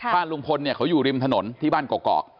บ้านลุงพลเนี่ยเขาอยู่ริมถนนที่บ้านกอก